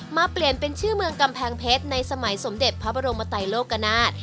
เปลี่ยนเป็นชื่อเมืองกำแพงเพชรในสมัยสมเด็จพระบรมไตโลกนาฏ